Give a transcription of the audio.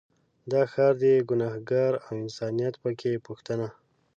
دا ښار دی ګنهار او انسانیت په کې پوښتنه